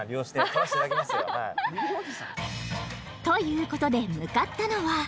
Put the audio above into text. ［ということで向かったのは］